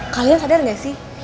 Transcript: kalian sadar nggak sih